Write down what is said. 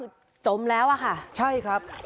คือจมแล้วอะค่ะใช่ครับ